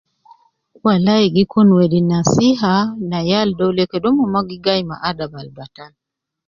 Walai gi kun wedi nasiha na yal dole kede mon ma gi gi gayi ma adab al batal